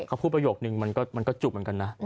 เขาพูดประโยคนึงมันก็จุกเหมือนกันนะ